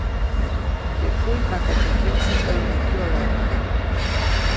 Yäʼ kuy makaʼt yajkyose ʼäŋgukyoda.